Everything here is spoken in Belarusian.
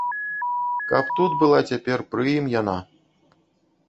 Каб тут была цяпер пры ім яна!